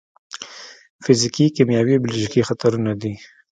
فزیکي، کیمیاوي او بیولوژیکي خطرونه دي.